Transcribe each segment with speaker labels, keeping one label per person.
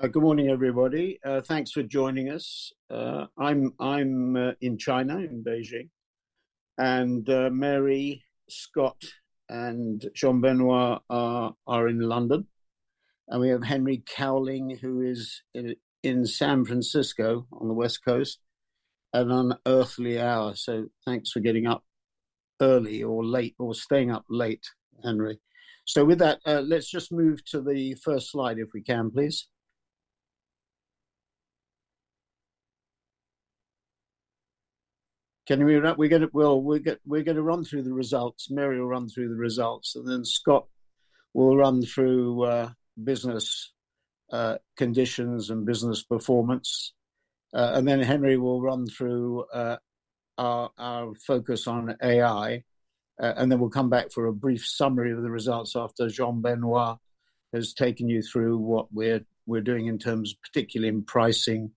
Speaker 1: Good morning, everybody. Thanks for joining us. I'm in China, in Beijing, and Mary, Scott, and Jean-Benoit are in London. We have Henry Cowling, who is in San Francisco on the West Coast, at an unearthly hour. Thanks for getting up early or staying up late, Henry. With that, let's just move to the first slide, if we can, please. Can you read up? We're going to run through the results. Mary will run through the results, and then Scott will run through business conditions and business performance. Henry will run through our focus on AI. We'll come back for a brief summary of the results after Jean-Benoit has taken you through what we're doing in terms particularly in pricing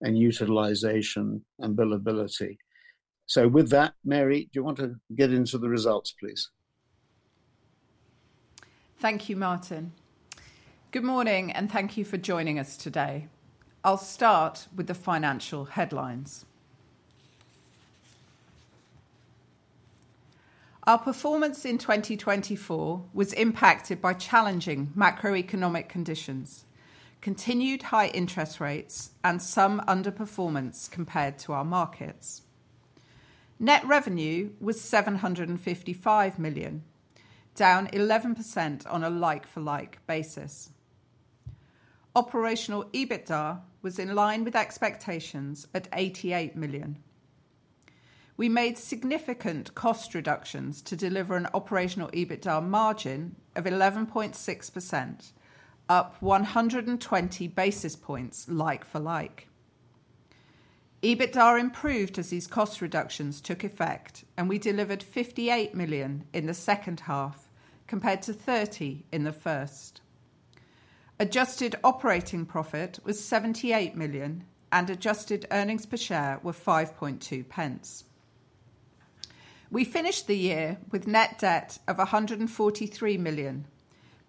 Speaker 1: and utilization and billability. With that, Mary, do you want to get into the results, please?
Speaker 2: Thank you, Martin. Good morning, and thank you for joining us today. I'll start with the financial headlines. Our performance in 2024 was impacted by challenging macroeconomic conditions, continued high interest rates, and some underperformance compared to our markets. Net revenue was $755 million, down 11% on a like-for-like basis. Operational EBITDA was in line with expectations at $88 million. We made significant cost reductions to deliver an operational EBITDA margin of 11.6%, up 120 basis points like-for-like. EBITDA improved as these cost reductions took effect, and we delivered $58 million in the second half compared to $30 million in the first. Adjusted operating profit was $78 million, and adjusted earnings per share were $5.20. We finished the year with net debt of $143 million,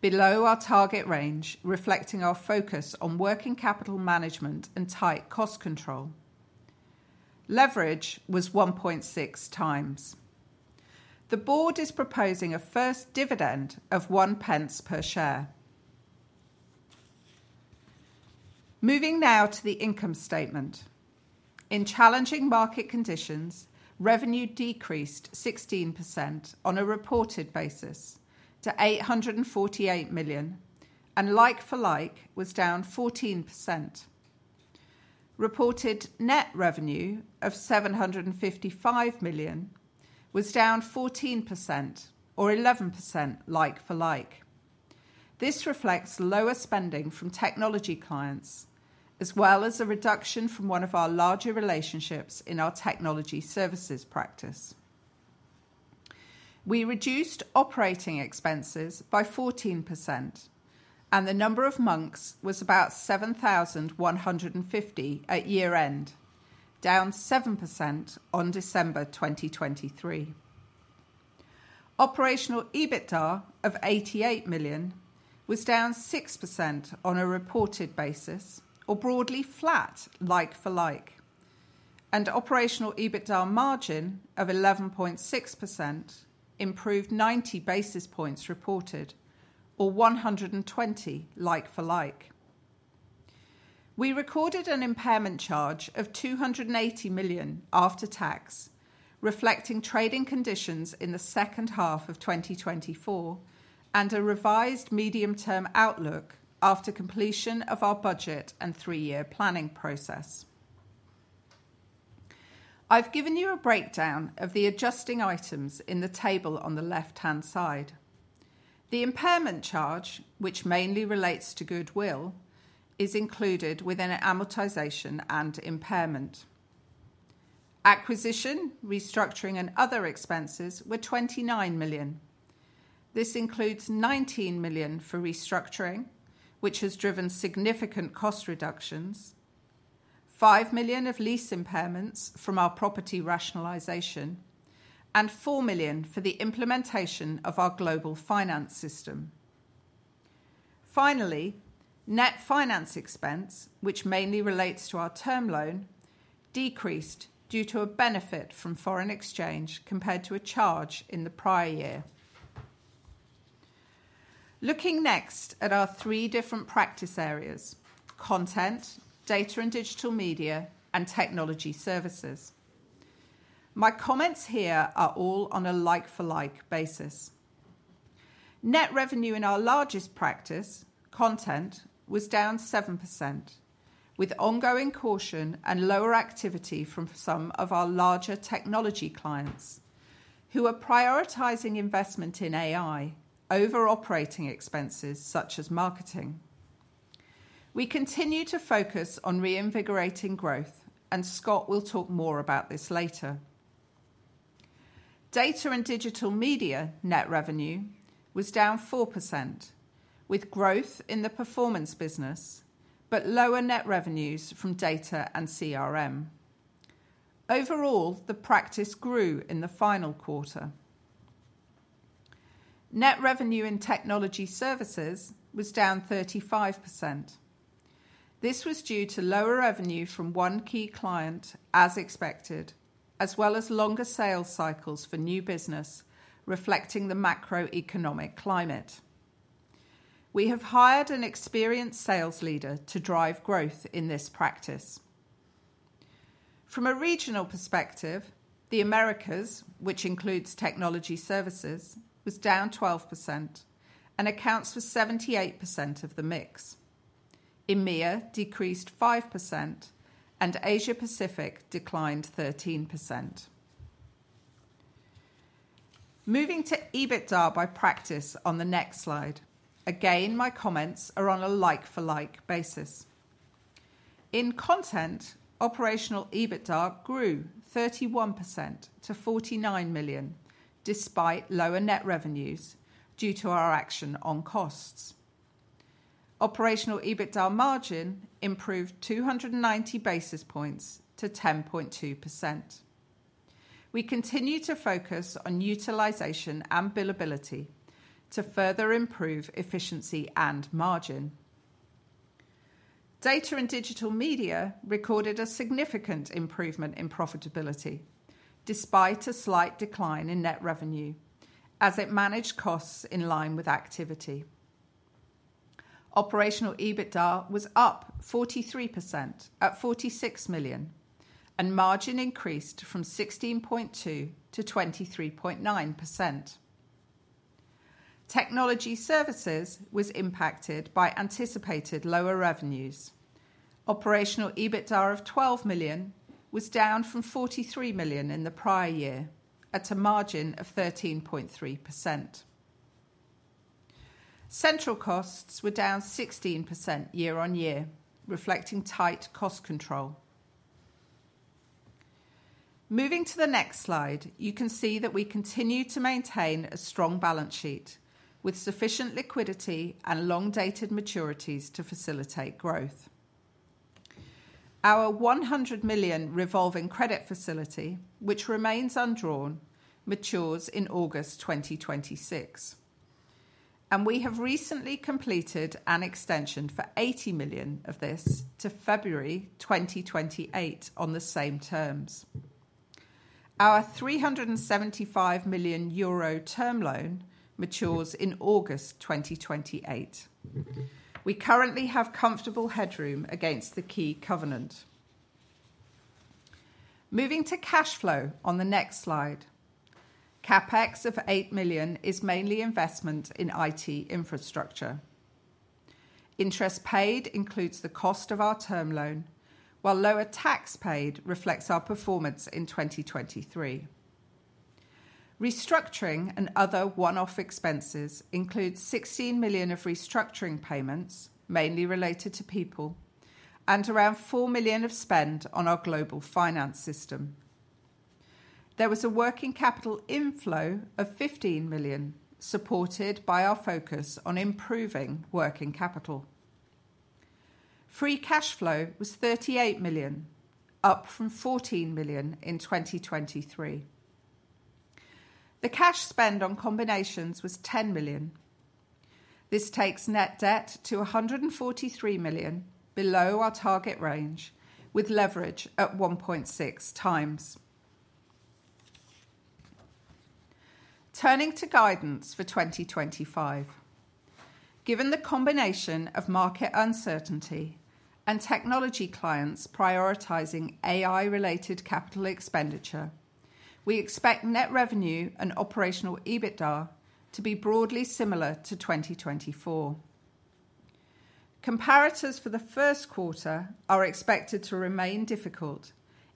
Speaker 2: below our target range, reflecting our focus on working capital management and tight cost control. Leverage was 1.6 times. The board is proposing a first dividend of $0.01 per share. Moving now to the income statement. In challenging market conditions, revenue decreased 16% on a reported basis to $848 million, and like-for-like was down 14%. Reported net revenue of $755 million was down 14% or 11% like-for-like. This reflects lower spending from technology clients, as well as a reduction from one of our larger relationships in our Technology Services practice. We reduced operating expenses by 14%, and the number of Monks was about 7,150 at year-end, down 7% on December 2023. Operational EBITDA of $88 million was down 6% on a reported basis, or broadly flat like-for-like. Operational EBITDA margin of 11.6% improved 90 basis points reported, or 120 like-for-like. We recorded an impairment charge of $280 million after tax, reflecting trading conditions in the second half of 2024, and a revised medium-term outlook after completion of our budget and three-year planning process. I've given you a breakdown of the adjusting items in the table on the left-hand side. The impairment charge, which mainly relates to goodwill, is included within amortization and impairment. Acquisition, restructuring, and other expenses were $29 million. This includes $19 million for restructuring, which has driven significant cost reductions, $5 million of lease impairments from our property rationalization, and $4 million for the implementation of our global finance system. Finally, net finance expense, which mainly relates to our term loan, decreased due to a benefit from foreign exchange compared to a charge in the prior year. Looking next at our three different practice areas: content, data and digital media, and Technology Services. My comments here are all on a like-for-like basis. Net revenue in our largest practice, content, was down 7%, with ongoing caution and lower activity from some of our larger technology clients, who are prioritizing investment in AI over operating expenses such as marketing. We continue to focus on reinvigorating growth, and Scott will talk more about this later. Data & Digital Media net revenue was down 4%, with growth in the performance business, but lower net revenues from data and CRM. Overall, the practice grew in the final quarter. Net revenue in Technology Services was down 35%. This was due to lower revenue from one key client, as expected, as well as longer sales cycles for new business, reflecting the macroeconomic climate. We have hired an experienced sales leader to drive growth in this practice. From a regional perspective, the Americas, which includes Technology services, was down 12%, and accounts for 78% of the mix. EMEA decreased 5%, and Asia-Pacific declined 13%. Moving to EBITDA by practice on the next slide. Again, my comments are on a like-for-like basis. In content, operational EBITDA grew 31% to $49 million, despite lower net revenues due to our action on costs. Operational EBITDA margin improved 290 basis points to 10.2%. We continue to focus on utilization and billability to further improve efficiency and margin. Data & Digital Media recorded a significant improvement in profitability, despite a slight decline in net revenue, as it managed costs in line with activity. Operational EBITDA was up 43% at $46 million, and margin increased from 16.2% to 23.9%. Technology Services was impacted by anticipated lower revenues. Operational EBITDA of $12 million was down from $43 million in the prior year at a margin of 13.3%. Central costs were down 16% year-on-year, reflecting tight cost control. Moving to the next slide, you can see that we continue to maintain a strong balance sheet with sufficient liquidity and long-dated maturities to facilitate growth. Our $100 million revolving credit facility, which remains undrawn, matures in August 2026. We have recently completed an extension for $80 million of this to February 2028 on the same terms. Our 375 million euro term loan matures in August 2028. We currently have comfortable headroom against the key covenant. Moving to cash flow on the next slide. CapEx of $8 million is mainly investment in IT infrastructure. Interest paid includes the cost of our term loan, while lower tax paid reflects our performance in 2023. Restructuring and other one-off expenses include $16 million of restructuring payments, mainly related to people, and around $4 million of spend on our global finance system. There was a working capital inflow of $15 million, supported by our focus on improving working capital. Free cash flow was $38 million, up from $14 million in 2023. The cash spend on combinations was $10 million. This takes net debt to $143 million, below our target range, with leverage at 1.6 times. Turning to guidance for 2025. Given the combination of market uncertainty and technology clients prioritizing AI-related capital expenditure, we expect net revenue and operational EBITDA to be broadly similar to 2024. Comparators for the first quarter are expected to remain difficult,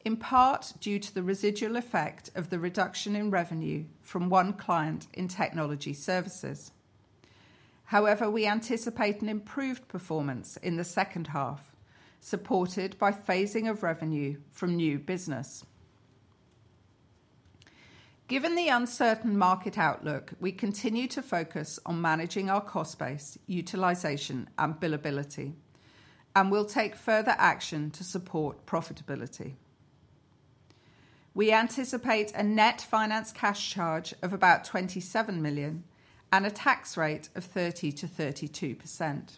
Speaker 2: in part due to the residual effect of the reduction in revenue from one client in Technology Services. However, we anticipate an improved performance in the second half, supported by phasing of revenue from new business. Given the uncertain market outlook, we continue to focus on managing our cost base, utilization, and billability, and we'll take further action to support profitability. We anticipate a net finance cash charge of about $27 million and a tax rate of 30%-32%.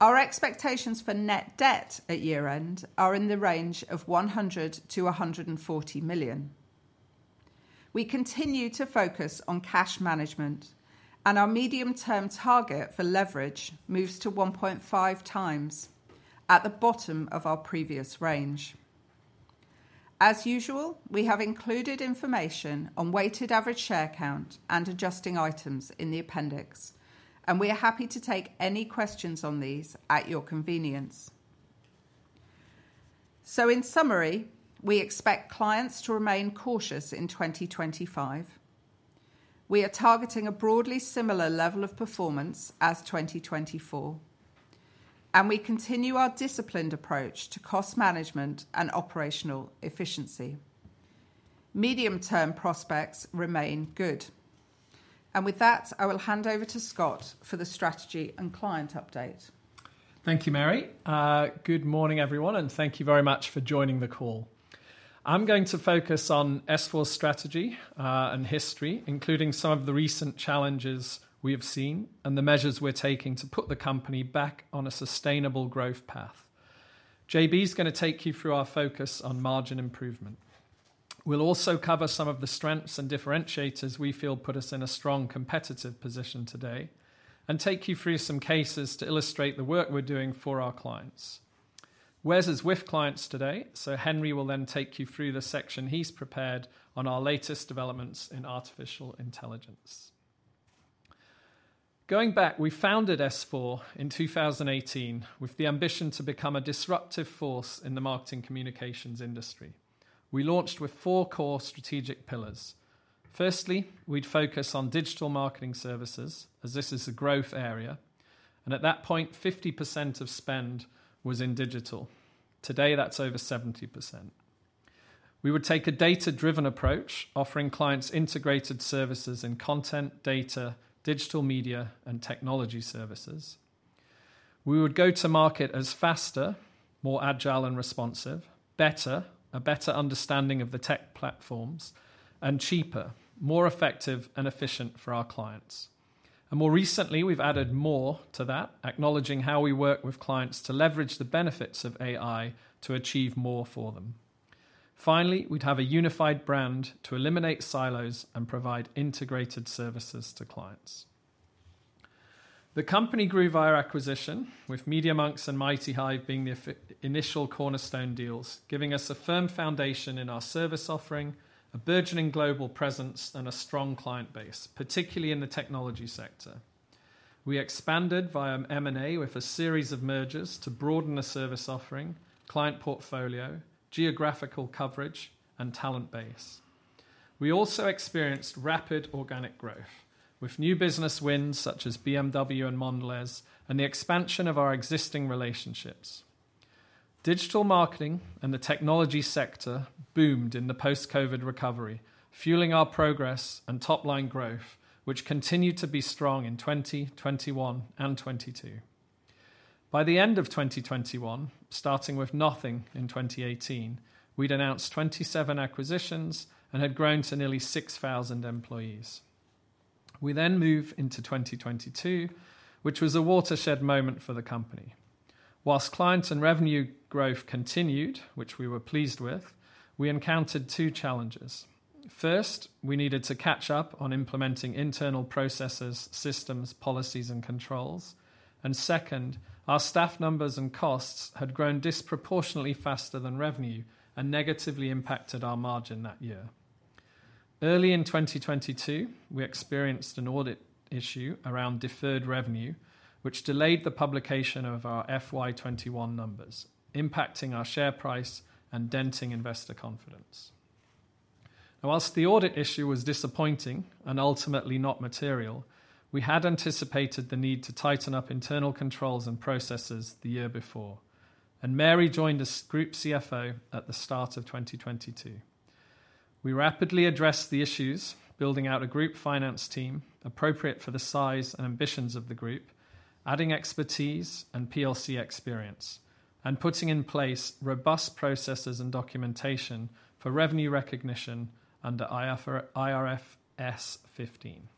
Speaker 2: Our expectations for net debt at year-end are in the range of $100 million-$140 million. We continue to focus on cash management, and our medium-term target for leverage moves to 1.5 times at the bottom of our previous range. As usual, we have included information on weighted average share count and adjusting items in the appendix, and we are happy to take any questions on these at your convenience. In summary, we expect clients to remain cautious in 2025. We are targeting a broadly similar level of performance as 2024, and we continue our disciplined approach to cost management and operational efficiency. Medium-term prospects remain good. With that, I will hand over to Scott for the strategy and client update.
Speaker 3: Thank you, Mary. Good morning, everyone, and thank you very much for joining the call. I'm going to focus on S4's strategy and history, including some of the recent challenges we have seen and the measures we're taking to put the company back on a sustainable growth path. JB is going to take you through our focus on margin improvement. We'll also cover some of the strengths and differentiators we feel put us in a strong competitive position today and take you through some cases to illustrate the work we're doing for our clients. Wes is with clients today, so Henry will then take you through the section he's prepared on our latest developments in artificial intelligence. Going back, we founded S4 in 2018 with the ambition to become a disruptive force in the marketing communications industry. We launched with four core strategic pillars. Firstly, we'd focus on digital marketing services, as this is a growth area, and at that point, 50% of spend was in digital. Today, that's over 70%. We would take a data-driven approach, offering clients integrated services in content, data, digital media, and Technology Services. We would go to market as faster, more agile and responsive, better, a better understanding of the tech platforms, and cheaper, more effective and efficient for our clients. More recently, we've added more to that, acknowledging how we work with clients to leverage the benefits of AI to achieve more for them. Finally, we'd have a unified brand to eliminate silos and provide integrated services to clients. The company grew via acquisition, with MediaMonks and MightyHive being the initial cornerstone deals, giving us a firm foundation in our service offering, a burgeoning global presence, and a strong client base, particularly in the technology sector. We expanded via M&A with a series of mergers to broaden the service offering, client portfolio, geographical coverage, and talent base. We also experienced rapid organic growth with new business wins such as BMW and Mondelez and the expansion of our existing relationships. Digital marketing and the technology sector boomed in the post-COVID recovery, fueling our progress and top-line growth, which continued to be strong in 2021 and 2022. By the end of 2021, starting with nothing in 2018, we'd announced 27 acquisitions and had grown to nearly 6,000 employees. We then moved into 2022, which was a watershed moment for the company. Whilst clients and revenue growth continued, which we were pleased with, we encountered two challenges. First, we needed to catch up on implementing internal processes, systems, policies, and controls. Our staff numbers and costs had grown disproportionately faster than revenue and negatively impacted our margin that year. Early in 2022, we experienced an audit issue around deferred revenue, which delayed the publication of our FY2021 numbers, impacting our share price and denting investor confidence. Whilst the audit issue was disappointing and ultimately not material, we had anticipated the need to tighten up internal controls and processes the year before. Mary joined us, Group CFO, at the start of 2022. We rapidly addressed the issues, building out a group finance team appropriate for the size and ambitions of the group, adding expertise and PLC experience, and putting in place robust processes and documentation for revenue recognition under IFRS 15.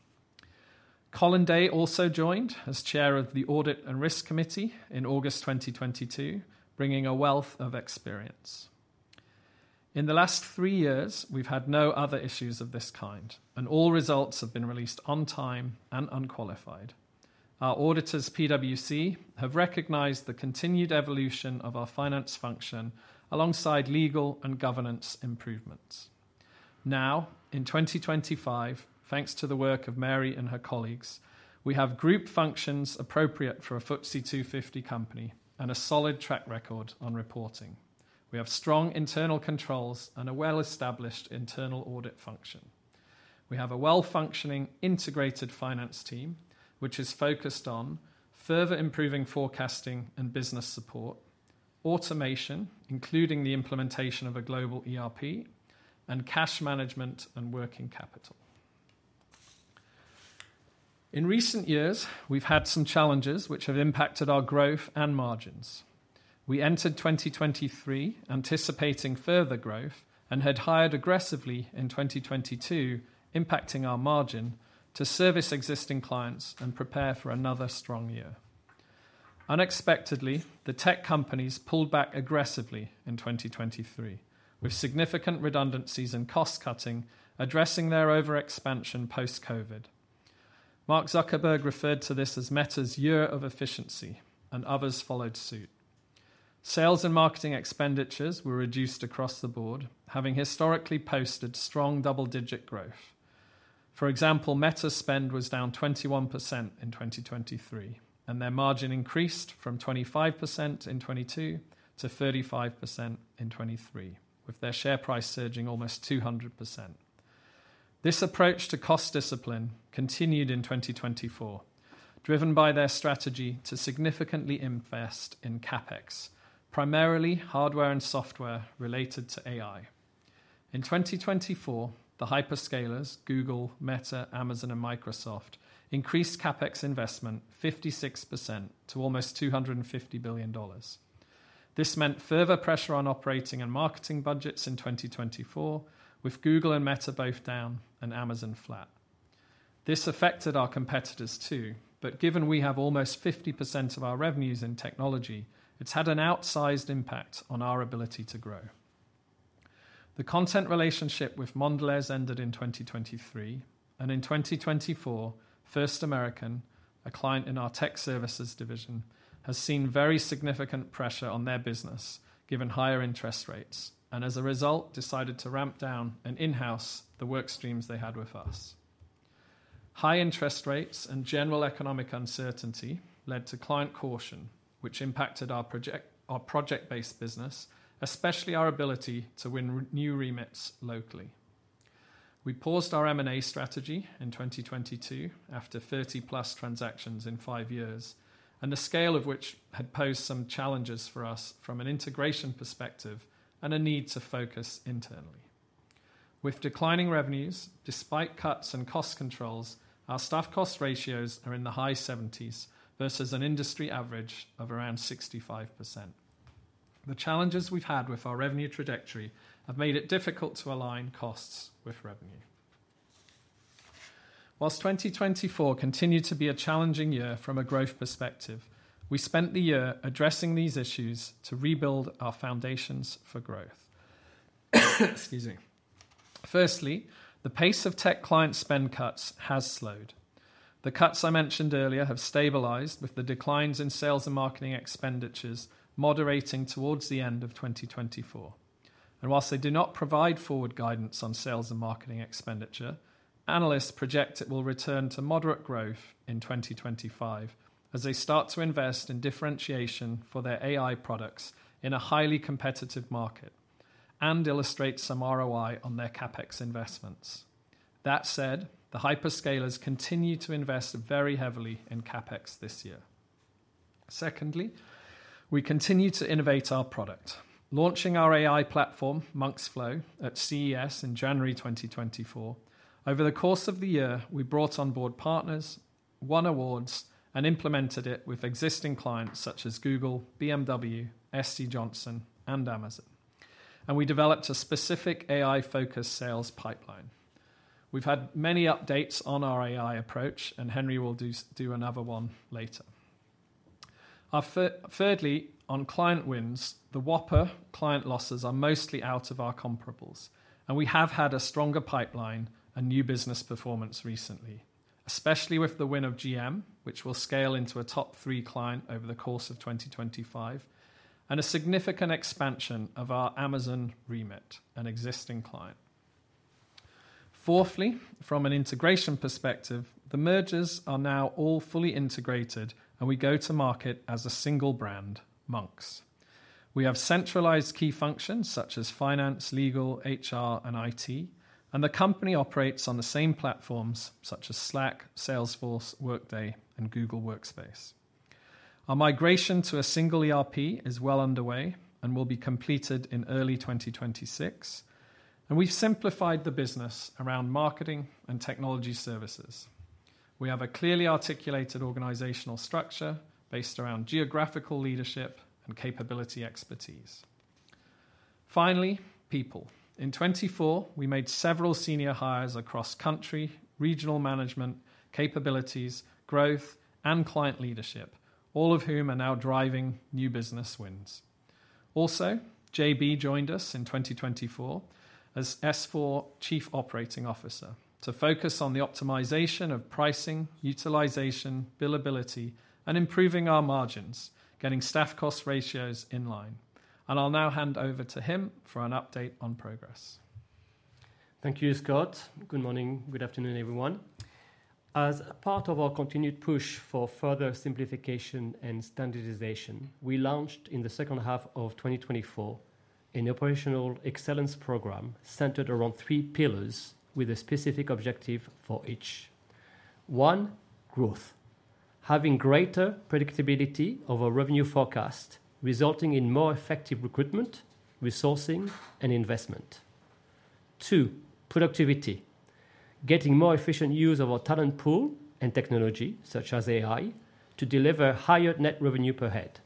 Speaker 3: Colin Day also joined as Chair of the Audit and Risk Committee in August 2022, bringing a wealth of experience. In the last three years, we've had no other issues of this kind, and all results have been released on time and unqualified. Our auditors, PwC, have recognized the continued evolution of our finance function alongside legal and governance improvements. Now, in 2025, thanks to the work of Mary and her colleagues, we have group functions appropriate for a FTSE 250 company and a solid track record on reporting. We have strong internal controls and a well-established internal audit function. We have a well-functioning integrated finance team, which is focused on further improving forecasting and business support, automation, including the implementation of a global ERP, and cash management and working capital. In recent years, we've had some challenges which have impacted our growth and margins. We entered 2023 anticipating further growth and had hired aggressively in 2022, impacting our margin to service existing clients and prepare for another strong year. Unexpectedly, the tech companies pulled back aggressively in 2023, with significant redundancies and cost cutting addressing their overexpansion post-COVID. Mark Zuckerberg referred to this as Meta's year of efficiency, and others followed suit. Sales and marketing expenditures were reduced across the board, having historically posted strong double-digit growth. For example, Meta's spend was down 21% in 2023, and their margin increased from 25% in 2022 to 35% in 2023, with their share price surging almost 200%. This approach to cost discipline continued in 2024, driven by their strategy to significantly invest in CapEx, primarily hardware and software related to AI. In 2024, the hyperscalers, Google, Meta, Amazon, and Microsoft, increased CapEx investment 56% to almost $250 billion. This meant further pressure on operating and marketing budgets in 2024, with Google and Meta both down and Amazon flat. This affected our competitors too, but given we have almost 50% of our revenues in technology, it's had an outsized impact on our ability to grow. The content relationship with Mondelez ended in 2023, and in 2024, First American, a client in our Technology Services division, has seen very significant pressure on their business, given higher interest rates, and as a result, decided to ramp down and in-house the work streams they had with us. High interest rates and general economic uncertainty led to client caution, which impacted our project-based business, especially our ability to win new remits locally. We paused our M&A strategy in 2022 after 30-plus transactions in five years, and the scale of which had posed some challenges for us from an integration perspective and a need to focus internally. With declining revenues, despite cuts and cost controls, our staff cost ratios are in the high 70% versus an industry average of around 65%. The challenges we've had with our revenue trajectory have made it difficult to align costs with revenue. Whilst 2024 continued to be a challenging year from a growth perspective, we spent the year addressing these issues to rebuild our foundations for growth. Excuse me. Firstly, the pace of tech client spend cuts has slowed. The cuts I mentioned earlier have stabilized, with the declines in sales and marketing expenditures moderating towards the end of 2024. Whilst they do not provide forward guidance on sales and marketing expenditure, analysts project it will return to moderate growth in 2025 as they start to invest in differentiation for their AI products in a highly competitive market and illustrate some ROI on their CapEx investments. That said, the hyperscalers continue to invest very heavily in CapEx this year. Secondly, we continue to innovate our product. Launching our AI platform, Monks.Flow, at CES in January 2024, over the course of the year, we brought on board partners, won awards, and implemented it with existing clients such as Google, BMW, SC Johnson, and Amazon. We developed a specific AI-focused sales pipeline. We've had many updates on our AI approach, and Henry will do another one later. Thirdly, on client wins, the Whopper client losses are mostly out of our comparables, and we have had a stronger pipeline and new business performance recently, especially with the win of General Motors, which will scale into a top three client over the course of 2025, and a significant expansion of our Amazon remit, an existing client. Fourthly, from an integration perspective, the mergers are now all fully integrated, and we go to market as a single brand, Monks. We have centralized key functions such as finance, legal, HR, and IT, and the company operates on the same platforms such as Slack, Salesforce, Workday, and Google Workspace. Our migration to a single ERP is well underway and will be completed in early 2026, and we've simplified the business around marketing and Technology Services. We have a clearly articulated organizational structure based around geographical leadership and capability expertise. Finally, people. In 2024, we made several senior hires across country, regional management, capabilities, growth, and client leadership, all of whom are now driving new business wins. Also, JB joined us in 2024 as S4 Chief Operating Officer to focus on the optimization of pricing, utilization, billability, and improving our margins, getting staff cost ratios in line. I'll now hand over to him for an update on progress.
Speaker 4: Thank you, Scott. Good morning. Good afternoon, everyone. As a part of our continued push for further simplification and standardization, we launched in the second half of 2024 an operational excellence program centered around three pillars with a specific objective for each. One, growth, having greater predictability of our revenue forecast, resulting in more effective recruitment, resourcing, and investment. Two, productivity, getting more efficient use of our talent pool and technology, such as AI, to deliver higher net revenue per head.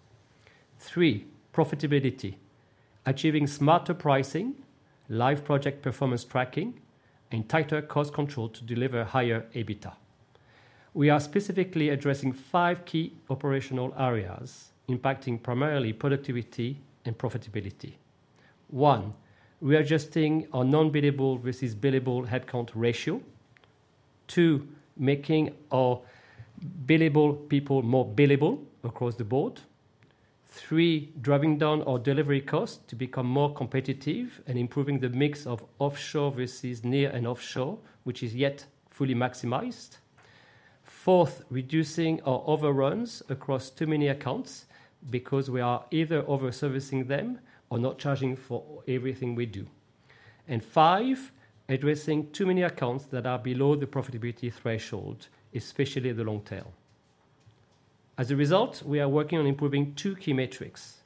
Speaker 4: Three, profitability, achieving smarter pricing, live project performance tracking, and tighter cost control to deliver higher EBITDA. We are specifically addressing five key operational areas impacting primarily productivity and profitability. One, readjusting our non-billable versus billable headcount ratio. Two, making our billable people more billable across the board. Three, driving down our delivery costs to become more competitive and improving the mix of offshore versus near and offshore, which is yet fully maximized. Fourth, reducing our overruns across too many accounts because we are either overservicing them or not charging for everything we do. Five, addressing too many accounts that are below the profitability threshold, especially the long-tail. As a result, we are working on improving two key metrics.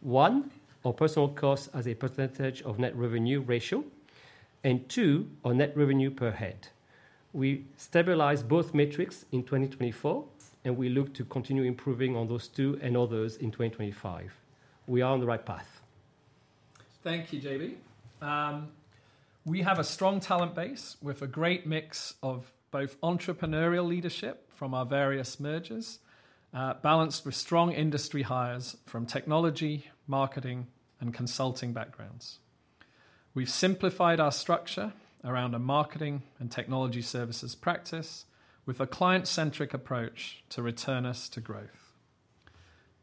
Speaker 4: One, our personnel costs as a percentage of net revenue ratio, and two, our net revenue per head. We stabilized both metrics in 2024, and we look to continue improving on those two and others in 2025. We are on the right path.
Speaker 3: Thank you, JB. We have a strong talent base with a great mix of both entrepreneurial leadership from our various mergers, balanced with strong industry hires from technology, marketing, and consulting backgrounds. We have simplified our structure around a marketing and Technology Services practice with a client-centric approach to return us to growth.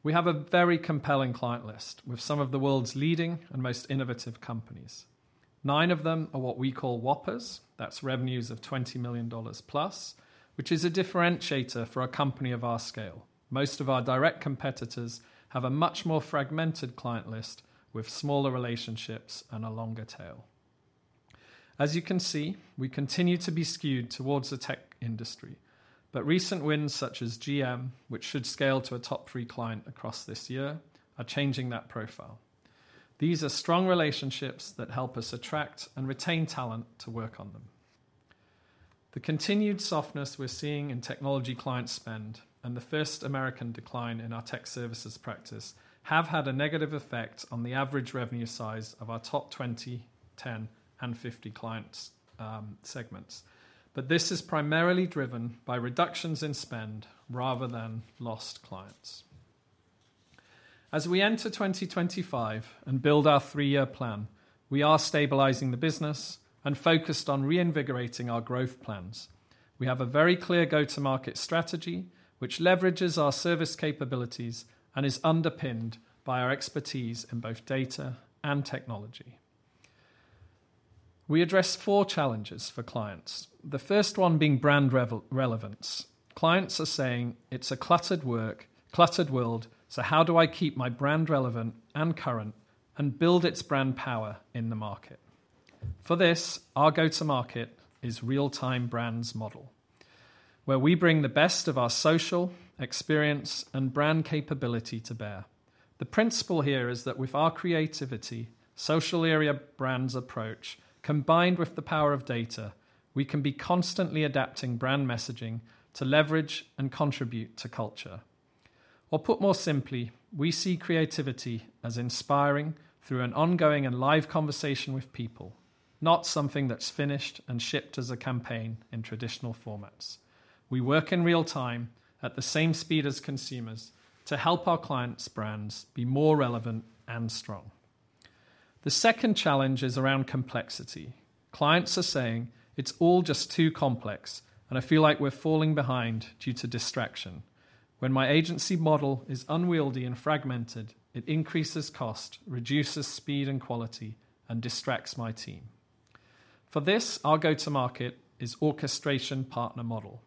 Speaker 3: We have a very compelling client list with some of the world's leading and most innovative companies. Nine of them are what we call Whoppers. That is revenues of $20 million plus, which is a differentiator for a company of our scale. Most of our direct competitors have a much more fragmented client list with smaller relationships and a longer tail. As you can see, we continue to be skewed towards the tech industry, but recent wins such as GM, which should scale to a top three client across this year, are changing that profile. These are strong relationships that help us attract and retain talent to work on them. The continued softness we are seeing in technology client spend and the First American decline in our Technology Services practice have had a negative effect on the average revenue size of our top 20, 10, and 50 client segments. This is primarily driven by reductions in spend rather than lost clients. As we enter 2025 and build our three-year plan, we are stabilizing the business and focused on reinvigorating our growth plans. We have a very clear go-to-market strategy, which leverages our service capabilities and is underpinned by our expertise in both data and technology. We address four challenges for clients, the first one being brand relevance. Clients are saying, "It's a cluttered work, cluttered world, so how do I keep my brand relevant and current and build its brand power in the market?" For this, our go-to-market is real-time brands model, where we bring the best of our social experience and brand capability to bear. The principle here is that with our creativity, social area brands approach, combined with the power of data, we can be constantly adapting brand messaging to leverage and contribute to culture. Put more simply, we see creativity as inspiring through an ongoing and live conversation with people, not something that's finished and shipped as a campaign in traditional formats. We work in real time at the same speed as consumers to help our clients' brands be more relevant and strong. The second challenge is around complexity. Clients are saying, "It's all just too complex, and I feel like we're falling behind due to distraction. When my agency model is unwieldy and fragmented, it increases cost, reduces speed and quality, and distracts my team." For this, our go-to-market is orchestration partner model,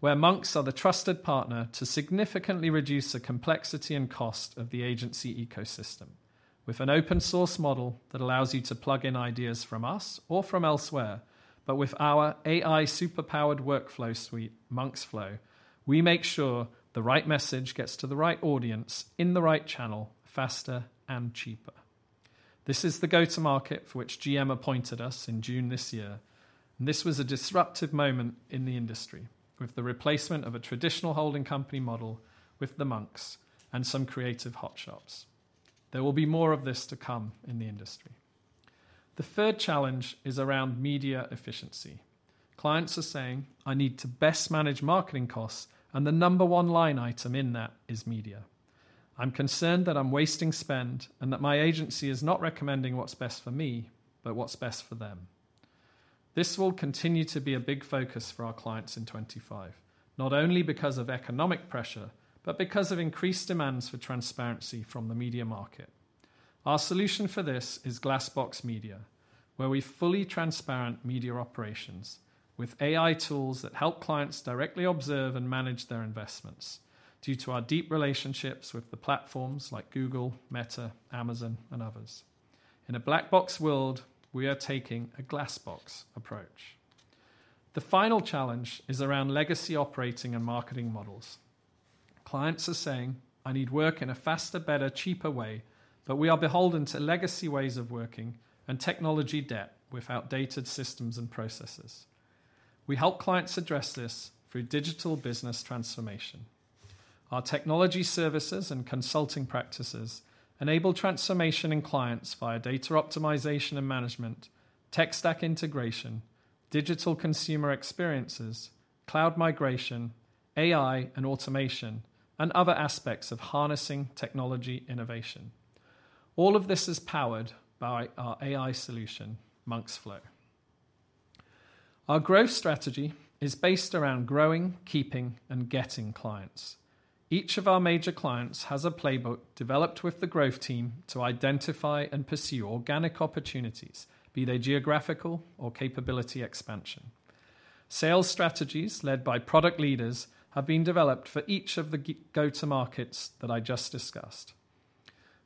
Speaker 3: where Monks are the trusted partner to significantly reduce the complexity and cost of the agency ecosystem. With an open-source model that allows you to plug in ideas from us or from elsewhere, but with our AI superpowered workflow suite, Monks.Flow, we make sure the right message gets to the right audience in the right channel faster and cheaper. This is the go-to-market for which General Motors appointed us in June this year. This was a disruptive moment in the industry with the replacement of a traditional holding company model with the Monks and some creative hotshots. There will be more of this to come in the industry. The third challenge is around media efficiency. Clients are saying, "I need to best manage marketing costs, and the number one line item in that is media. I'm concerned that I'm wasting spend and that my agency is not recommending what's best for me, but what's best for them." This will continue to be a big focus for our clients in 2025, not only because of economic pressure, but because of increased demands for transparency from the media market. Our solution for this is Glassbox Media, where we fully transparent media operations with AI tools that help clients directly observe and manage their investments due to our deep relationships with the platforms like Google, Meta, Amazon, and others. In a black box world, we are taking a glass box approach. The final challenge is around legacy operating and marketing models. Clients are saying, "I need work in a faster, better, cheaper way, but we are beholden to legacy ways of working and technology debt with outdated systems and processes." We help clients address this through digital business transformation. Our Technology Services and consulting practices enable transformation in clients via data optimization and management, tech stack integration, digital consumer experiences, cloud migration, AI and automation, and other aspects of harnessing technology innovation. All of this is powered by our AI solution, Monks.Flow. Our growth strategy is based around growing, keeping, and getting clients. Each of our major clients has a playbook developed with the growth team to identify and pursue organic opportunities, be they geographical or capability expansion. Sales strategies led by product leaders have been developed for each of the go-to-markets that I just discussed.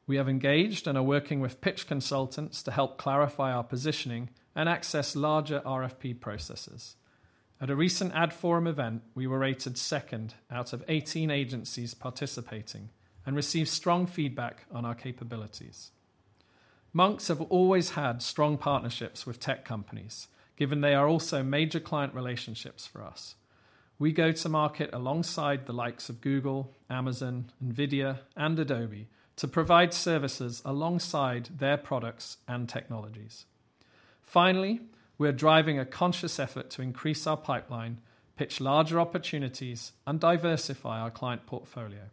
Speaker 3: We have engaged and are working with pitch consultants to help clarify our positioning and access larger RFP processes. At a recent AdForum event, we were rated second out of 18 agencies participating and received strong feedback on our capabilities. Monks have always had strong partnerships with tech companies, given they are also major client relationships for us. We go to market alongside the likes of Google, Amazon, NVIDIA, and Adobe to provide services alongside their products and technologies. Finally, we're driving a conscious effort to increase our pipeline, pitch larger opportunities, and diversify our client portfolio.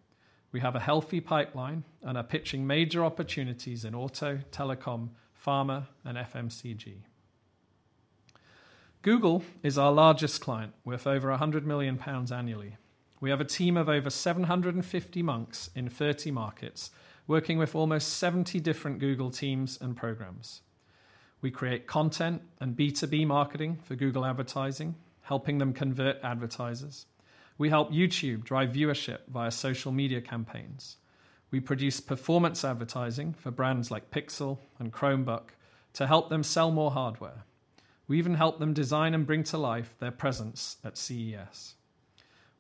Speaker 3: We have a healthy pipeline and are pitching major opportunities in auto, telecom, pharma, and FMCG. Google is our largest client with over 100 million pounds annually. We have a team of over 750 Monks in 30 markets working with almost 70 different Google teams and programs. We create content and B2B marketing for Google advertising, helping them convert advertisers. We help YouTube drive viewership via social media campaigns. We produce performance advertising for brands like Pixel and Chromebook to help them sell more hardware. We even help them design and bring to life their presence at CES.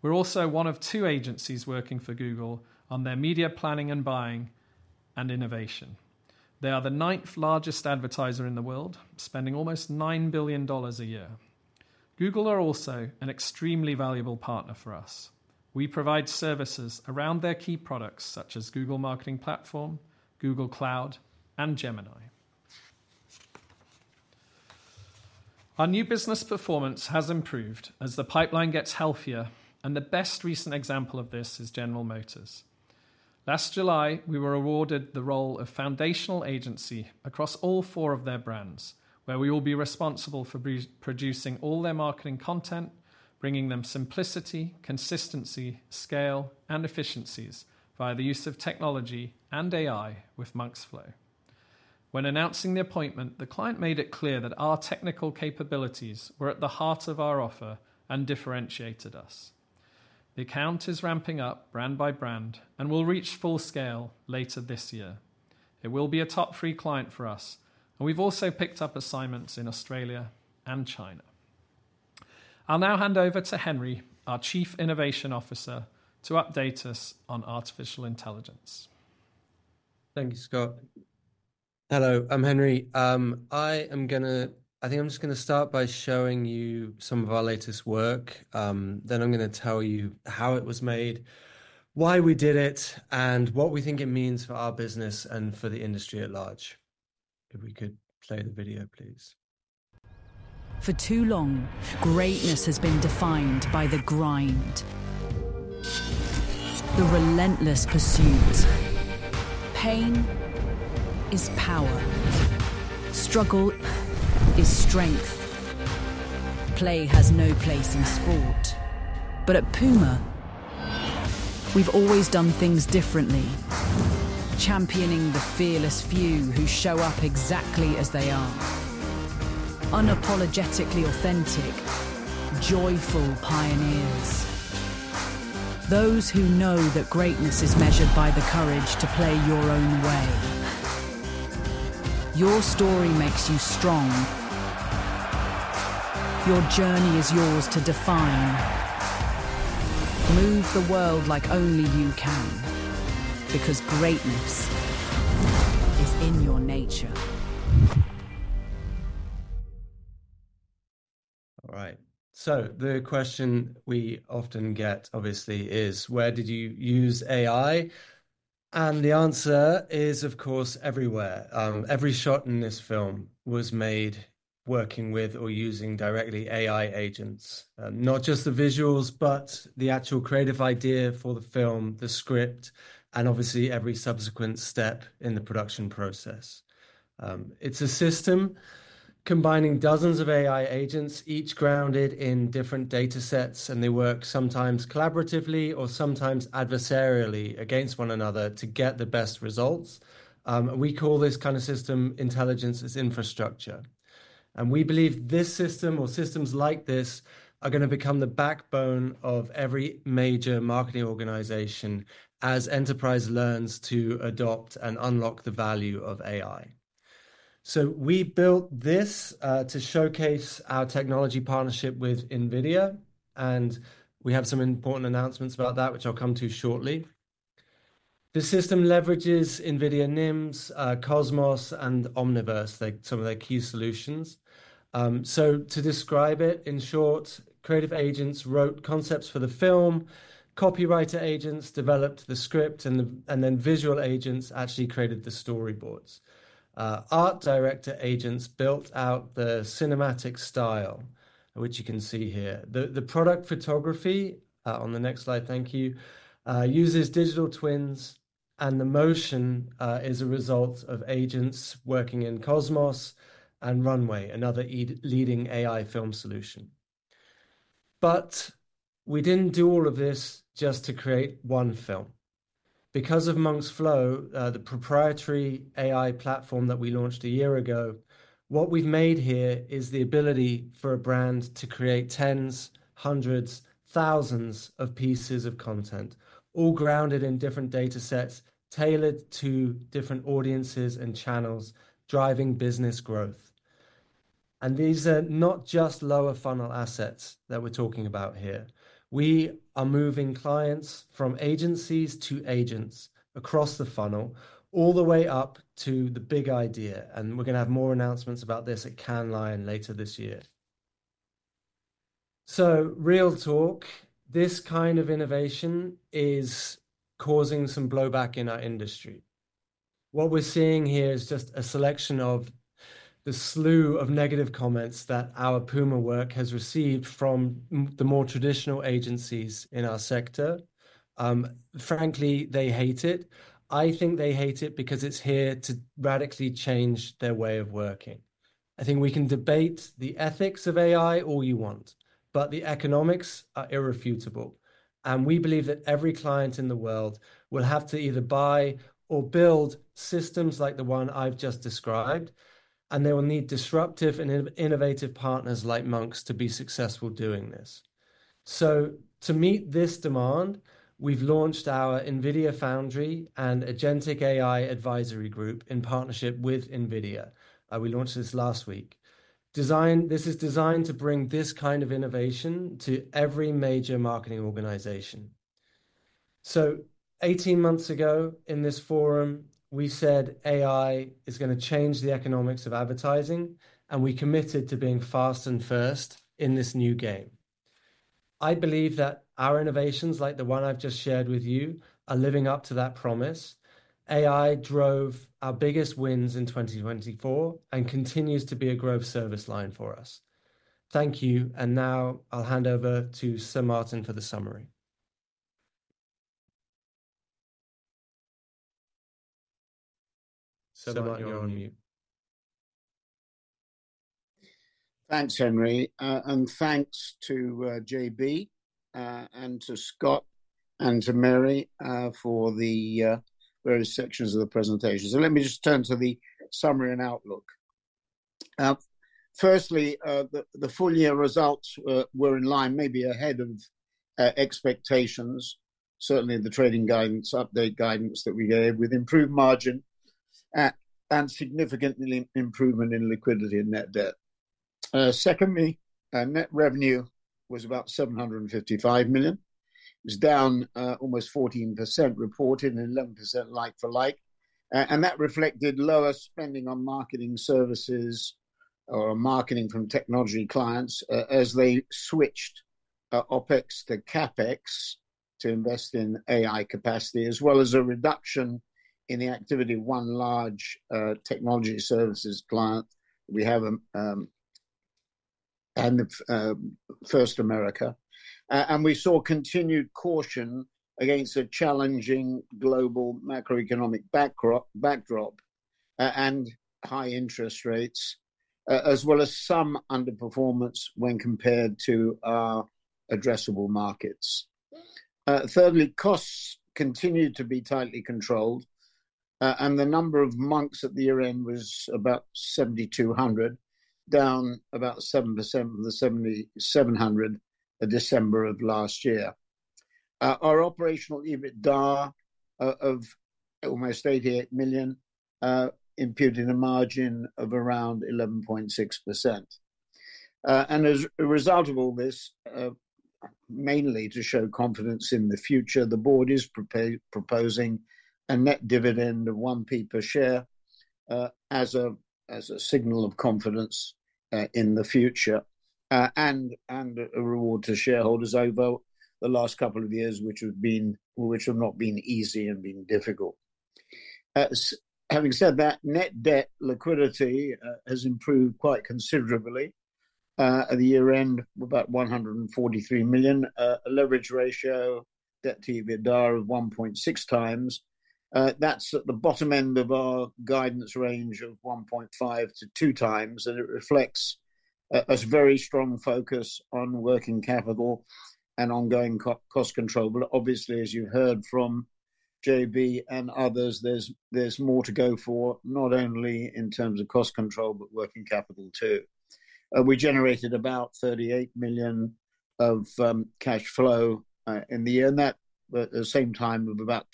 Speaker 3: We are also one of two agencies working for Google on their media planning and buying and innovation. They are the ninth largest advertiser in the world, spending almost $9 billion a year. Google are also an extremely valuable partner for us. We provide services around their key products such as Google Marketing Platform, Google Cloud, and Gemini. Our new business performance has improved as the pipeline gets healthier, and the best recent example of this is General Motors. Last July, we were awarded the role of foundational agency across all four of their brands, where we will be responsible for producing all their marketing content, bringing them simplicity, consistency, scale, and efficiencies via the use of technology and AI with Monks.Flow. When announcing the appointment, the client made it clear that our technical capabilities were at the heart of our offer and differentiated us. The account is ramping up brand by brand and will reach full scale later this year. It will be a top three client for us, and we've also picked up assignments in Australia and China. I'll now hand over to Henry, our Chief Innovation Officer, to update us on artificial intelligence.
Speaker 5: Thank you, Scott. Hello, I'm Henry. I am going to, I think I'm just going to start by showing you some of our latest work. Then I'm going to tell you how it was made, why we did it, and what we think it means for our business and for the industry at large. If we could play the video, please.
Speaker 6: For too long, greatness has been defined by the grind, the relentless pursuit. Pain is power. Struggle is strength. Play has no place in sport. At Puma, we have always done things differently, championing the fearless few who show up exactly as they are, unapologetically authentic, joyful pioneers. Those who know that greatness is measured by the courage to play your own way. Your story makes you strong. Your journey is yours to define. Move the world like only you can, because greatness is in your nature.
Speaker 5: All right. The question we often get, obviously, is, where did you use AI? The answer is, of course, everywhere. Every shot in this film was made working with or using directly AI agents, not just the visuals, but the actual creative idea for the film, the script, and obviously every subsequent step in the production process. It is a system combining dozens of AI agents, each grounded in different data sets, and they work sometimes collaboratively or sometimes adversarially against one another to get the best results. We call this kind of system intelligence as infrastructure. We believe this system or systems like this are going to become the backbone of every major marketing organization as enterprise learns to adopt and unlock the value of AI. We built this to showcase our technology partnership with NVIDIA, and we have some important announcements about that, which I'll come to shortly. The system leverages NVIDIA NIMs, Cosmos, and Omniverse, some of their key solutions. To describe it in short, creative agents wrote concepts for the film, copywriter agents developed the script, and then visual agents actually created the storyboards. Art director agents built out the cinematic style, which you can see here. The product photography on the next slide, thank you, uses digital twins, and the motion is a result of agents working in Cosmos and Runway, another leading AI film solution. We did not do all of this just to create one film. Because of Monks.Flow, the proprietary AI platform that we launched a year ago, what we've made here is the ability for a brand to create tens, hundreds, thousands of pieces of content, all grounded in different data sets tailored to different audiences and channels, driving business growth. These are not just lower funnel assets that we're talking about here. We are moving clients from agencies to agents across the funnel all the way up to the big idea. We are going to have more announcements about this at Cannes Lion later this year. Real talk, this kind of innovation is causing some blowback in our industry. What we're seeing here is just a selection of the slew of negative comments that our Puma work has received from the more traditional agencies in our sector. Frankly, they hate it. I think they hate it because it's here to radically change their way of working. I think we can debate the ethics of AI all you want, but the economics are irrefutable. We believe that every client in the world will have to either buy or build systems like the one I've just described, and they will need disruptive and innovative partners like Monks to be successful doing this. To meet this demand, we've launched our Nvidia Foundry and Agentic AI Advisory Group in partnership with Nvidia. We launched this last week. This is designed to bring this kind of innovation to every major marketing organization. Eighteen months ago in this forum, we said AI is going to change the economics of advertising, and we committed to being fast and first in this new game. I believe that our innovations, like the one I've just shared with you, are living up to that promise. AI drove our biggest wins in 2024 and continues to be a growth service line for us. Thank you. Now I'll hand over to Sir Martin for the summary. Sir, you're on mute.
Speaker 1: Thanks, Henry. And thanks to JB and to Scott and to Mary for the various sections of the presentation. Let me just turn to the summary and outlook. Firstly, the full year results were in line, maybe ahead of expectations. Certainly, the trading guidance, update guidance that we gave with improved margin and significant improvement in liquidity and net debt. Secondly, net revenue was about $755 million. It was down almost 14% reported and 11% like for like. That reflected lower spending on marketing services or on marketing from technology clients as they switched OPEX to CAPEX to invest in AI capacity, as well as a reduction in the activity of one large Technology Services client we have and First American. We saw continued caution against a challenging global macroeconomic backdrop and high interest rates, as well as some underperformance when compared to our addressable markets. Thirdly, costs continued to be tightly controlled, and the number of Monks at the year-end was about 7,200, down about 7% from the 7,700 at December of last year. Our operational EBITDA of almost $88 million imputed a margin of around 11.6%. As a result of all this, mainly to show confidence in the future, the board is proposing a net dividend of £0.01 per share as a signal of confidence in the future and a reward to shareholders over the last couple of years, which have not been easy and been difficult. Having said that, net debt liquidity has improved quite considerably. At the year-end, about $143 million, a leverage ratio, debt to EBITDA of 1.6 times. That is at the bottom end of our guidance range of 1.5-2 times, and it reflects a very strong focus on working capital and ongoing cost control. Obviously, as you heard from JB and others, there's more to go for, not only in terms of cost control, but working capital too. We generated about $38 million of cash flow in the year, and that at the same time of about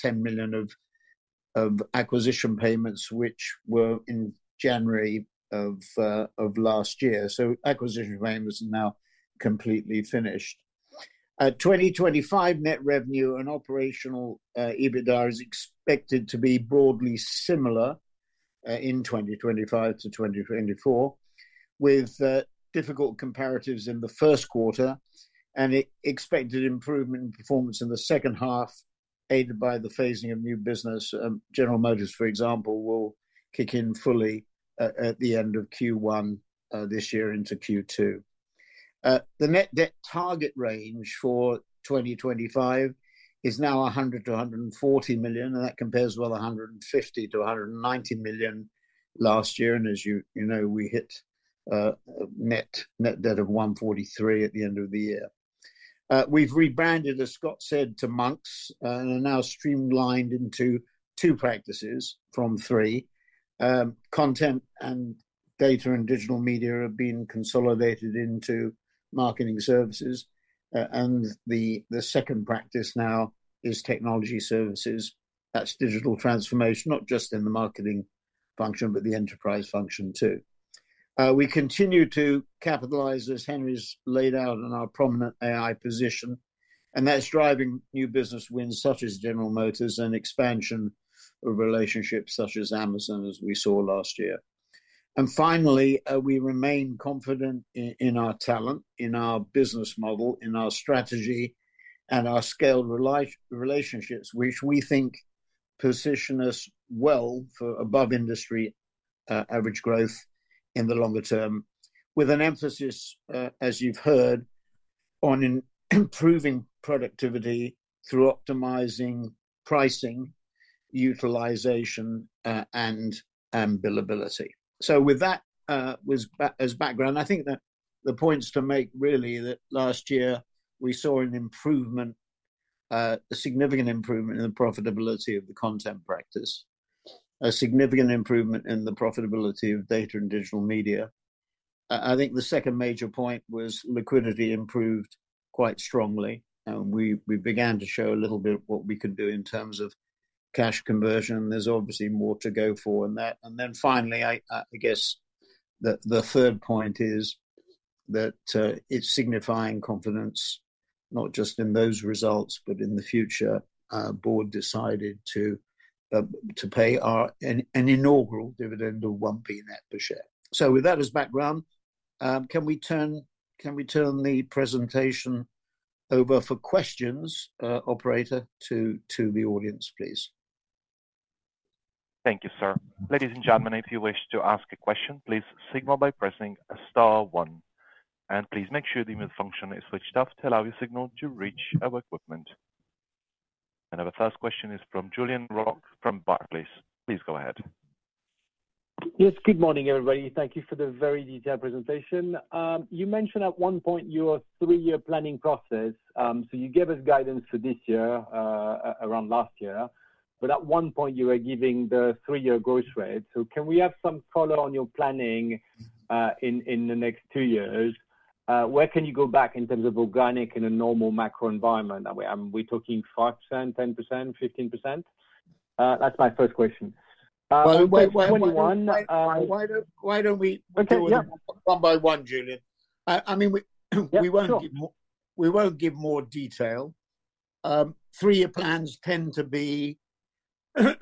Speaker 1: $10 million of acquisition payments, which were in January of last year. Acquisition payments are now completely finished. 2025 net revenue and operational EBITDA is expected to be broadly similar in 2025 to 2024, with difficult comparatives in the first quarter and expected improvement in performance in the second half, aided by the phasing of new business. General Motors, for example, will kick in fully at the end of Q1 this year into Q2. The net debt target range for 2025 is now $100 million-$140 million, and that compares well to $150 million-$190 million last year. As you know, we hit net debt of $143 million at the end of the year. We have rebranded, as Scott said, to Monks and are now streamlined into two practices from three. Content and Data & Digital Media have been consolidated into Marketing Services. The second practice now is Technology Services. That is digital transformation, not just in the marketing function, but the enterprise function too. We continue to capitalize, as Henry's laid out, on our prominent AI position, and that is driving new business wins such as General Motors and expansion of relationships such as Amazon, as we saw last year. Finally, we remain confident in our talent, in our business model, in our strategy, and our scaled relationships, which we think position us well for above industry average growth in the longer term, with an emphasis, as you have heard, on improving productivity through optimizing pricing, utilization, and billability. With that as background, I think that the points to make really are that last year we saw an improvement, a significant improvement in the profitability of the content practice, a significant improvement in the profitability of Data & Digital Media. I think the second major point was liquidity improved quite strongly, and we began to show a little bit of what we could do in terms of cash conversion. There is obviously more to go for in that. Finally, I guess the third point is that it is signifying confidence, not just in those results, but in the future. The board decided to pay an inaugural dividend of £0.01 net per share. With that as background, can we turn the presentation over for questions, operator, to the audience, please?
Speaker 7: Thank you, sir. Ladies and gentlemen, if you wish to ask a question, please signal by pressing star one. Please make sure the mute function is switched off to allow your signal to reach our equipment. Our first question is from Julien Roch from Barclays. Please go ahead.
Speaker 8: Yes, good morning, everybody. Thank you for the very detailed presentation. You mentioned at one point your three-year planning process. You gave us guidance for this year, around last year. At one point, you were giving the three-year growth rate. Can we have some color on your planning in the next two years? Where can you go back in terms of organic in a normal macro environment? Are we talking 5%, 10%, 15%? That is my first question.
Speaker 1: Why don't we?
Speaker 8: Okay, yeah.
Speaker 1: One by one, Julian. I mean, we won't give more detail. Three-year plans tend to be, I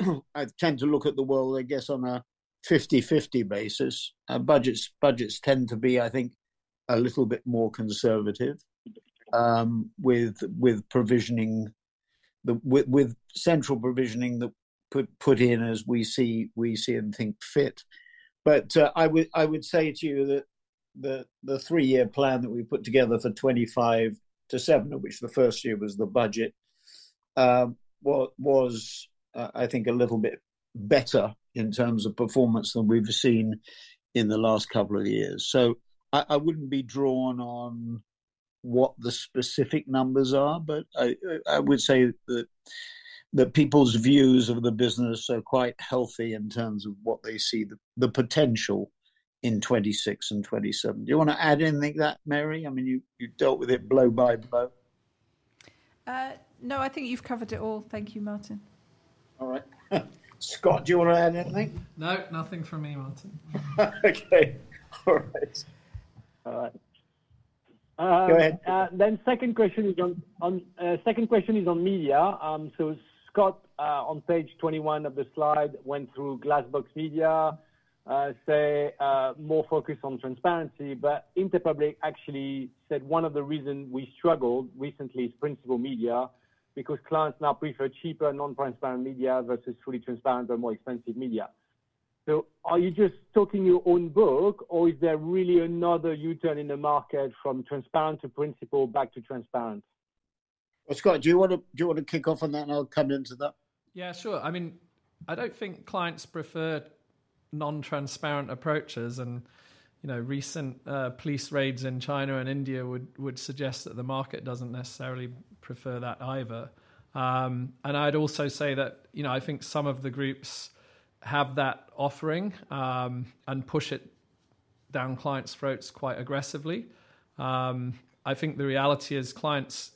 Speaker 1: tend to look at the world, I guess, on a 50-50 basis. Budgets tend to be, I think, a little bit more conservative with central provisioning that put in as we see and think fit. I would say to you that the three-year plan that we put together for 2025 to 2027, of which the first year was the budget, was, I think, a little bit better in terms of performance than we've seen in the last couple of years. I wouldn't be drawn on what the specific numbers are, but I would say that people's views of the business are quite healthy in terms of what they see the potential in 2026 and 2027. Do you want to add anything to that, Mary? I mean, you dealt with it blow by blow.
Speaker 2: No, I think you've covered it all. Thank you, Martin.
Speaker 1: All right. Scott, do you want to add anything?
Speaker 3: No, nothing from me, Martin.
Speaker 1: Okay. All right. All right. Go ahead.
Speaker 8: The second question is on media. Scott, on page 21 of the slide, went through Glassbox Media, say, more focus on transparency. Interpublic actually said one of the reasons we struggled recently is principal media, because clients now prefer cheaper, non-transparent media versus fully transparent or more expensive media. Are you just talking your own book, or is there really another U-turn in the market from transparent to principal back to transparent?
Speaker 1: Scott, do you want to kick off on that, and I'll come into that?
Speaker 3: Yeah, sure. I mean, I don't think clients prefer non-transparent approaches. Recent police raids in China and India would suggest that the market doesn't necessarily prefer that either. I'd also say that I think some of the groups have that offering and push it down clients' throats quite aggressively. I think the reality is clients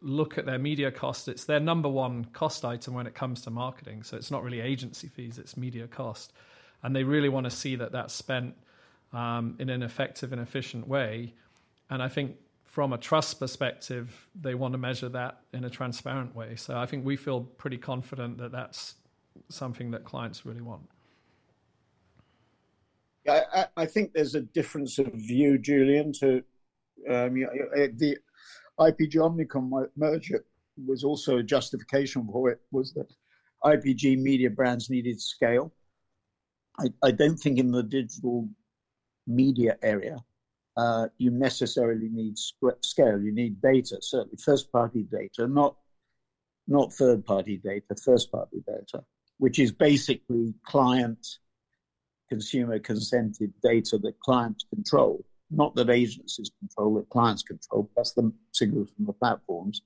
Speaker 3: look at their media cost. It's their number one cost item when it comes to marketing. It's not really agency fees. It's media cost. They really want to see that that's spent in an effective and efficient way. I think from a trust perspective, they want to measure that in a transparent way. I think we feel pretty confident that that's something that clients really want.
Speaker 1: Yeah, I think there's a difference of view, Julian, too. The IPG Omnicom merger was also a justification for it, was that IPG media brands needed scale. I don't think in the digital media area, you necessarily need scale. You need data, certainly first-party data, not third-party data, first-party data, which is basically client-consumer consented data that clients control, not that agencies control, that clients control, plus the signals from the platforms.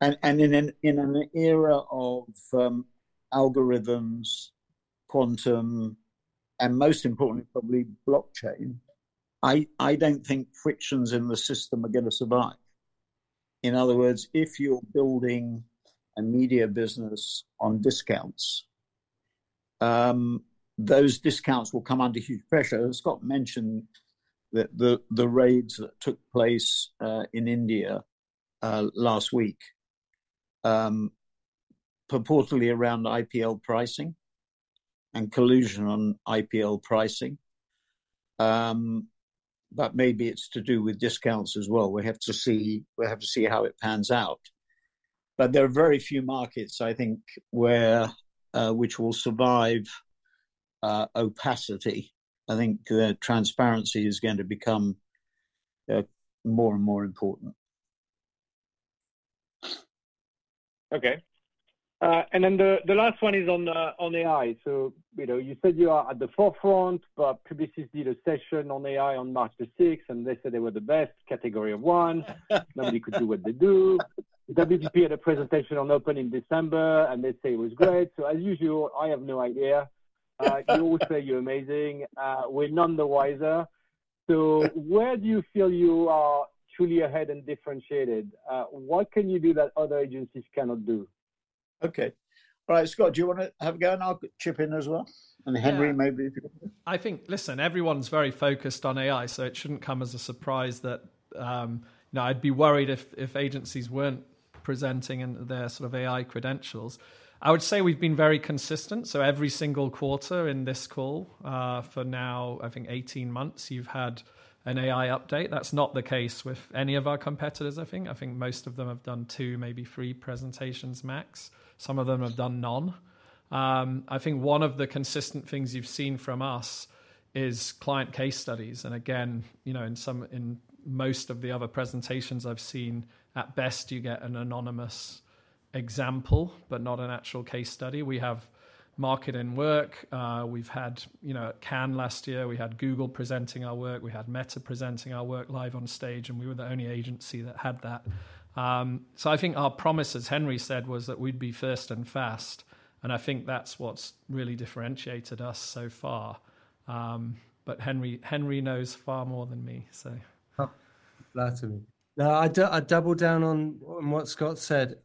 Speaker 1: In an era of algorithms, quantum, and most importantly, probably blockchain, I don't think frictions in the system are going to survive. In other words, if you're building a media business on discounts, those discounts will come under huge pressure. Scott mentioned that the raids that took place in India last week, purportedly around IPL pricing and collusion on IPL pricing. Maybe it's to do with discounts as well. We have to see how it pans out. There are very few markets, I think, which will survive opacity. I think transparency is going to become more and more important.
Speaker 8: Okay. The last one is on AI. You said you are at the forefront, but PwC did a session on AI on March 6, and they said they were the best, category of one. Nobody could do what they do. WPP had a presentation on Open in December, and they say it was great. As usual, I have no idea. You always say you're amazing. We're none the wiser. Where do you feel you are truly ahead and differentiated? What can you do that other agencies cannot do?
Speaker 1: Okay. All right. Scott, do you want to have a go and I'll chip in as well? Henry, maybe if you want to.
Speaker 3: I think, listen, everyone's very focused on AI, so it shouldn't come as a surprise that I'd be worried if agencies weren't presenting their sort of AI credentials. I would say we've been very consistent. Every single quarter in this call, for now, I think 18 months, you've had an AI update. That's not the case with any of our competitors, I think. I think most of them have done two, maybe three presentations max. Some of them have done none. I think one of the consistent things you've seen from us is client case studies. In most of the other presentations I've seen, at best, you get an anonymous example, but not an actual case study. We have market and work. We had Can last year. We had Google presenting our work. We had Meta presenting our work live on stage. We were the only agency that had that. I think our promise, as Henry said, was that we'd be first and fast. I think that's what's really differentiated us so far. Henry knows far more than me, so.
Speaker 5: No, I double down on what Scott said.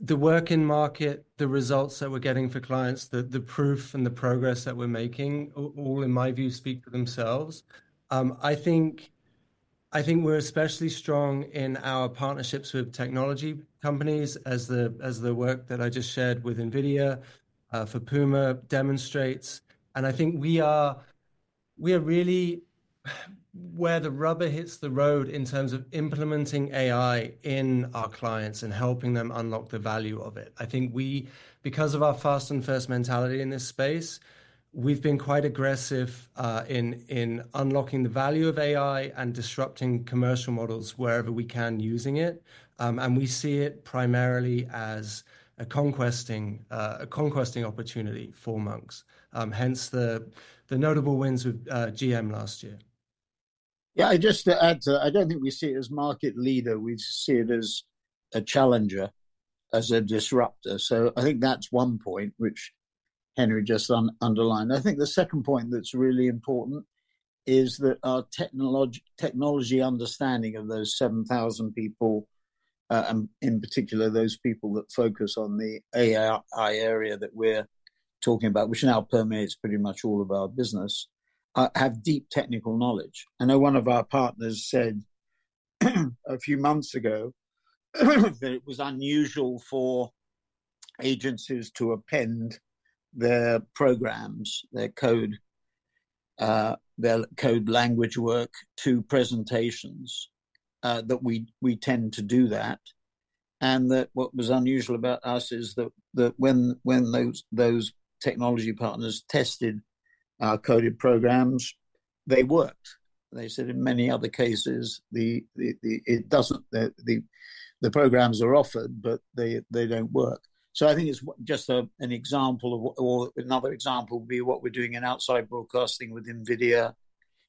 Speaker 5: The work in market, the results that we're getting for clients, the proof and the progress that we're making, all in my view, speak for themselves. I think we're especially strong in our partnerships with technology companies, as the work that I just shared with NVIDIA for Puma demonstrates. I think we are really where the rubber hits the road in terms of implementing AI in our clients and helping them unlock the value of it. I think we, because of our fast and first mentality in this space, we've been quite aggressive in unlocking the value of AI and disrupting commercial models wherever we can using it. We see it primarily as a conquesting opportunity for Monks. Hence the notable wins with GM last year.
Speaker 1: Yeah, just to add to that, I do not think we see it as market leader. We see it as a challenger, as a disruptor. I think that is one point, which Henry just underlined. I think the second point that is really important is that our technology understanding of those 7,000 people, and in particular, those people that focus on the AI area that we are talking about, which now permeates pretty much all of our business, have deep technical knowledge. I know one of our partners said a few months ago that it was unusual for agencies to append their programs, their code language work to presentations. That we tend to do that. That what was unusual about us is that when those technology partners tested our coded programs, they worked. They said in many other cases, the programs are offered, but they do not work. I think it's just an example of what another example would be what we're doing in outside broadcasting with NVIDIA,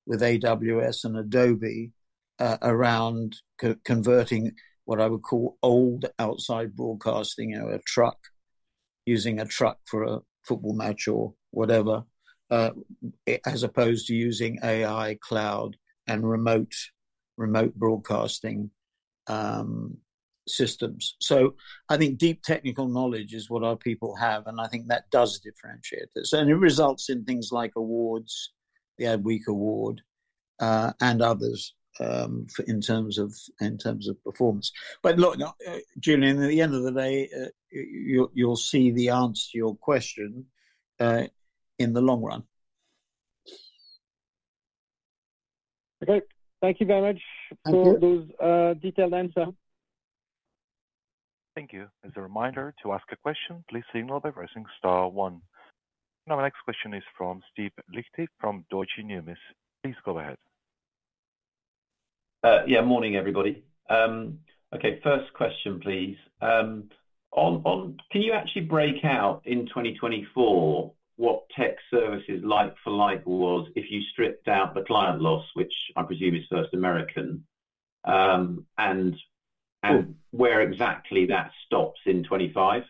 Speaker 1: with AWS and Adobe around converting what I would call old outside broadcasting, a truck, using a truck for a football match or whatever, as opposed to using AI, cloud, and remote broadcasting systems. I think deep technical knowledge is what our people have. I think that does differentiate us. It results in things like awards, the Adweek Award, and others in terms of performance. Look, Julian, at the end of the day, you'll see the answer to your question in the long run.
Speaker 8: Okay. Thank you very much for those detailed answers.
Speaker 7: Thank you. As a reminder, to ask a question, please signal by pressing star one. Now, my next question is from Steve Liechti from Deutsche Numis. Please go ahead.
Speaker 9: Yeah, morning, everybody. Okay, first question, please. Can you actually break out in 2024 what Tech Services like for like was if you stripped out the client loss, which I presume is First American, and where exactly that stops in 2025?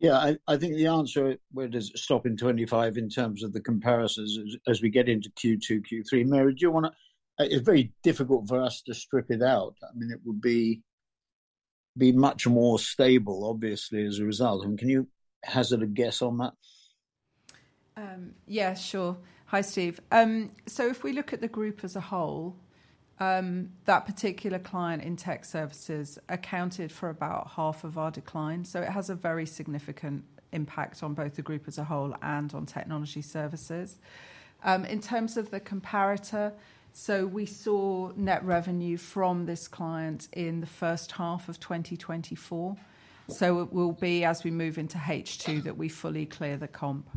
Speaker 1: Yeah, I think the answer is stop in 2025 in terms of the comparisons as we get into Q2, Q3. Mary, do you want to, it's very difficult for us to strip it out. I mean, it would be much more stable, obviously, as a result. Can you hazard a guess on that?
Speaker 2: Yeah, sure. Hi, Steve. If we look at the group as a whole, that particular client in Tech Services accounted for about half of our decline. It has a very significant impact on both the group as a whole and on Technology Services. In terms of the comparator, we saw net revenue from this client in the first half of 2024. It will be as we move into H2 that we fully clear the comp.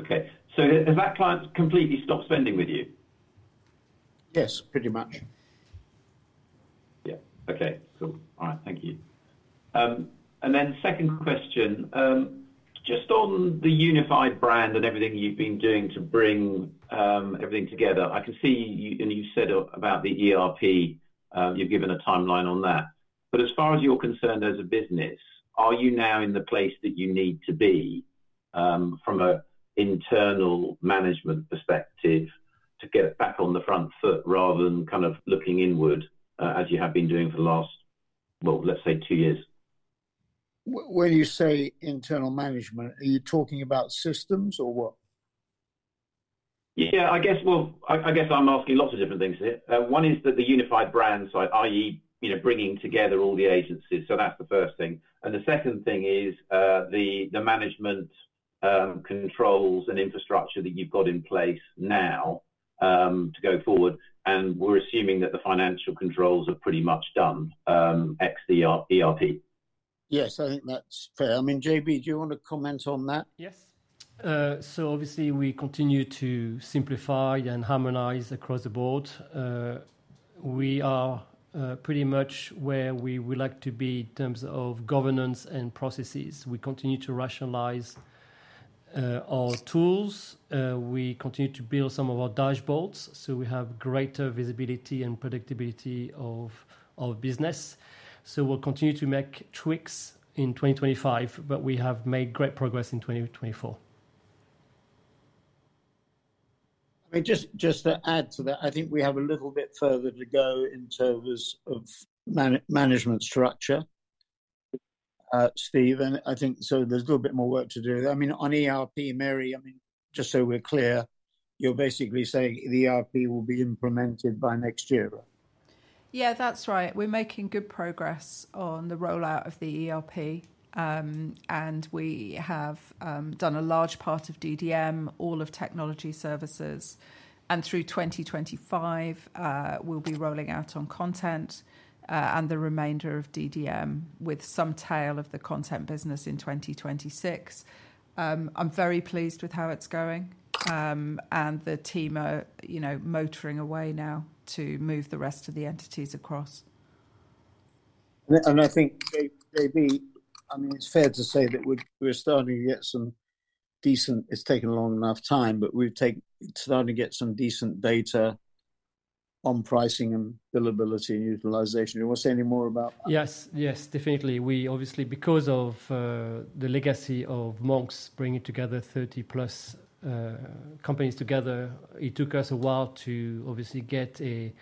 Speaker 9: Okay. Has that client completely stopped spending with you?
Speaker 1: Yes, pretty much.
Speaker 9: Yeah. Okay. Cool. All right. Thank you. Second question, just on the unified brand and everything you've been doing to bring everything together, I can see you said about the ERP, you've given a timeline on that. As far as you're concerned as a business, are you now in the place that you need to be from an internal management perspective to get back on the front foot rather than kind of looking inward as you have been doing for the last, let's say, two years?
Speaker 1: When you say internal management, are you talking about systems or what?
Speaker 9: Yeah, I guess I'm asking lots of different things here. One is that the unified brand, i.e., bringing together all the agencies. That's the first thing. The second thing is the management controls and infrastructure that you've got in place now to go forward. We're assuming that the financial controls are pretty much done, ex ERP.
Speaker 1: Yes, I think that's fair. I mean, JB, do you want to comment on that?
Speaker 4: Yes. Obviously, we continue to simplify and harmonize across the board. We are pretty much where we would like to be in terms of governance and processes. We continue to rationalize our tools. We continue to build some of our dashboards. We have greater visibility and predictability of business. We will continue to make tweaks in 2025, but we have made great progress in 2024.
Speaker 1: I mean, just to add to that, I think we have a little bit further to go in terms of management structure, Steve. I think there is a little bit more work to do. I mean, on ERP, Mary, I mean, just so we're clear, you're basically saying the ERP will be implemented by next year, right?
Speaker 2: Yeah, that's right. We're making good progress on the rollout of the ERP. We have done a large part of DDM, all of Technology Services. Through 2025, we'll be rolling out on content and the remainder of DDM with some tail of the content business in 2026. I'm very pleased with how it's going. The team are motoring away now to move the rest of the entities across.
Speaker 1: I think, JB, I mean, it's fair to say that we're starting to get some decent, it's taken a long enough time, but we're starting to get some decent data on pricing and billability and utilization. Do you want to say any more about that?
Speaker 4: Yes, yes, definitely. Obviously, because of the legacy of Monks bringing together 30-plus companies together, it took us a while to obviously get a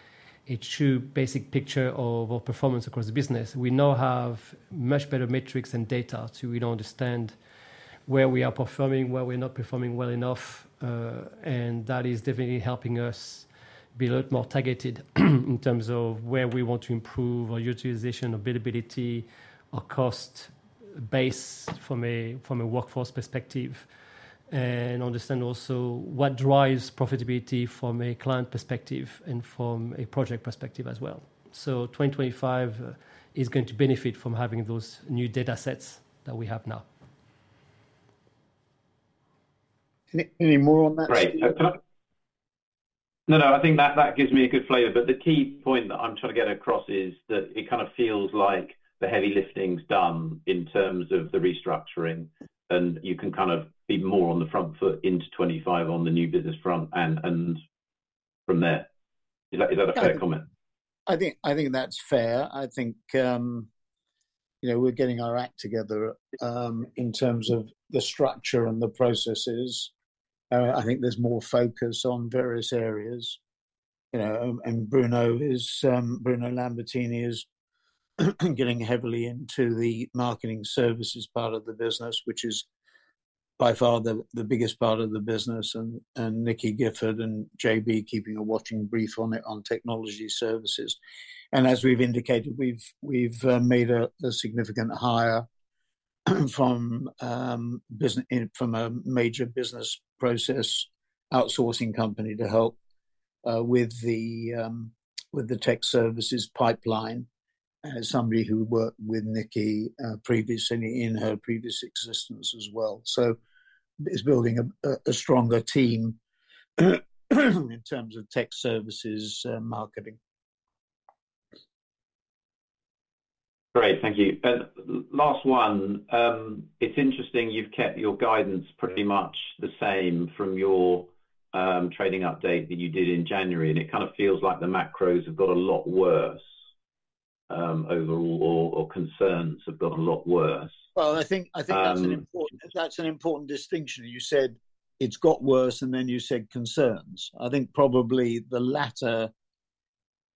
Speaker 4: true basic picture of our performance across the business. We now have much better metrics and data to understand where we are performing, where we're not performing well enough. That is definitely helping us be a lot more targeted in terms of where we want to improve our utilization, our billability, our cost base from a workforce perspective, and understand also what drives profitability from a client perspective and from a project perspective as well. 2025 is going to benefit from having those new datasets that we have now.
Speaker 1: Any more on that?
Speaker 9: Great. No, no, I think that gives me a good flavor. The key point that I'm trying to get across is that it kind of feels like the heavy lifting's done in terms of the restructuring. You can kind of be more on the front foot into 2025 on the new business front and from there. Is that a fair comment?
Speaker 1: I think that's fair. I think we're getting our act together in terms of the structure and the processes. I think there's more focus on various areas. Bruno Lambertini is getting heavily into the marketing services part of the business, which is by far the biggest part of the business. Nicky Gifford and JB keeping a watching brief on it on Technology Services. As we've indicated, we've made a significant hire from a major business process outsourcing company to help with the Tech Services pipeline as somebody who worked with Nicky previously in her previous existence as well. It's building a stronger team in terms of Tech Services marketing.
Speaker 9: Great. Thank you. Last one. It's interesting you've kept your guidance pretty much the same from your trading update that you did in January. It kind of feels like the macros have got a lot worse overall or concerns have got a lot worse.
Speaker 1: I think that's an important distinction. You said it's got worse, and then you said concerns. I think probably the latter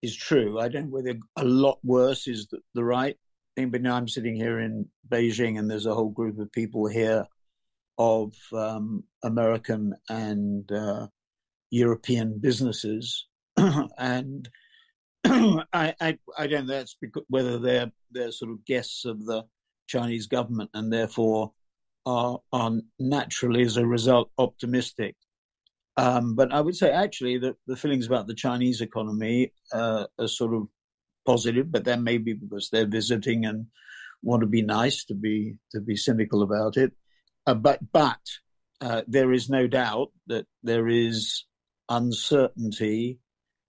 Speaker 1: is true. I don't know whether a lot worse is the right thing. Now I'm sitting here in Beijing, and there's a whole group of people here of American and European businesses. I don't know whether they're sort of guests of the Chinese government and therefore are naturally, as a result, optimistic. I would say, actually, the feelings about the Chinese economy are sort of positive, but that may be because they're visiting and want to be nice to be cynical about it. There is no doubt that there is uncertainty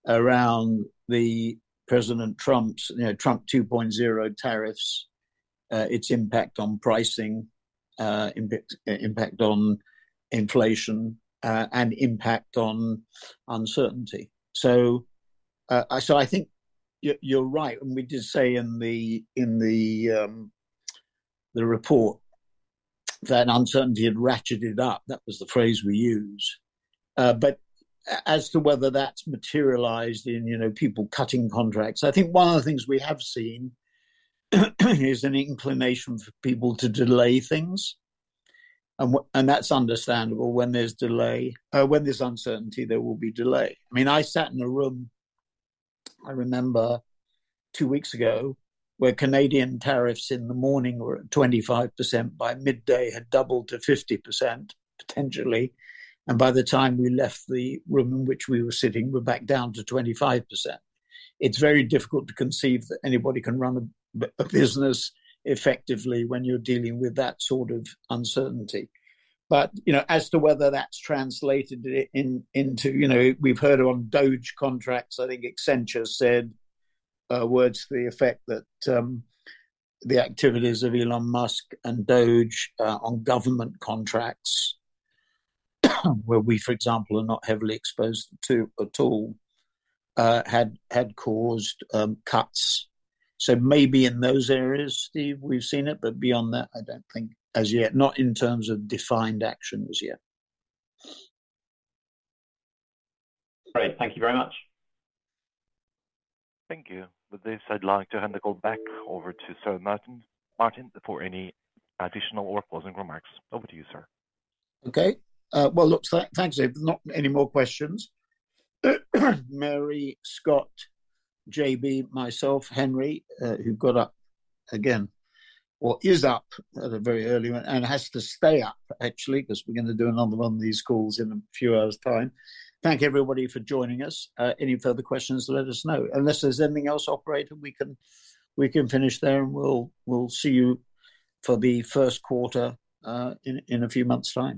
Speaker 1: around the President Trump's Trump 2.0 tariffs, its impact on pricing, impact on inflation, and impact on uncertainty. I think you're right. We did say in the report that uncertainty had ratcheted up. That was the phrase we used. As to whether that's materialized in people cutting contracts, I think one of the things we have seen is an inclination for people to delay things. That's understandable. When there's uncertainty, there will be delay. I mean, I sat in a room, I remember, two weeks ago where Canadian tariffs in the morning were at 25%. By midday, had doubled to 50%, potentially. By the time we left the room in which we were sitting, we're back down to 25%. It's very difficult to conceive that anybody can run a business effectively when you're dealing with that sort of uncertainty. As to whether that's translated into we've heard on DOGE contracts, I think Accenture said words to the effect that the activities of Elon Musk and DOGE on government contracts, where we, for example, are not heavily exposed to at all, had caused cuts. Maybe in those areas, Steve, we've seen it. Beyond that, I don't think as yet, not in terms of defined actions yet.
Speaker 9: Great. Thank you very much.
Speaker 7: Thank you. With this, I'd like to hand the call back over to Sir Martin for any additional or closing remarks. Over to you, sir.
Speaker 1: Okay. Look, thanks, Dave. Not any more questions. Mary, Scott, JB, myself, Henry, who got up again or is up at a very early one and has to stay up, actually, because we're going to do another one of these calls in a few hours' time. Thank everybody for joining us. Any further questions, let us know. Unless there's anything else, operator, we can finish there. We'll see you for the first quarter in a few months' time.